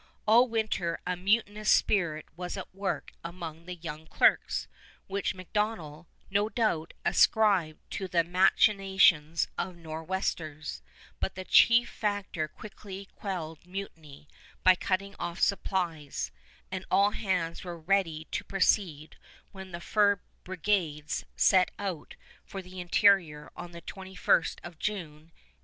All winter a mutinous spirit was at work among the young clerks, which MacDonell, no doubt, ascribed to the machinations of Nor'westers; but the chief factor quickly quelled mutiny by cutting off supplies, and all hands were ready to proceed when the fur brigades set out for the interior on the 21st of June, 1812.